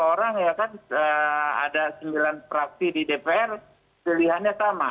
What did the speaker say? dua orang ya kan ada sembilan praksi di dpr pilihannya sama